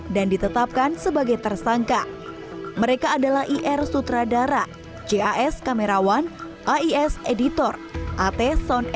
dan ditetapkan sebagai tersangka mereka adalah ir sutradara cas kamerawan ais editor at sound